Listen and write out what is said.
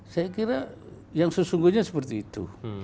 saya kira yang sesungguhnya seperti itu